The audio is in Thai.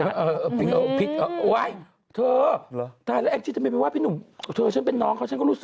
ตบปากนะเธอไม่ควรว่าพี่ใช่ในการรัก